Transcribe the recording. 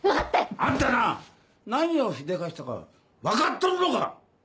あんたな何をしでかしたか分かっとるのか